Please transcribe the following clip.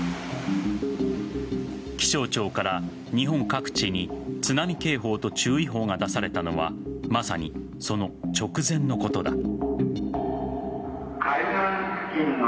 気象庁から日本各地に津波警報と注意報が出されたのはまさにその直前のことだ。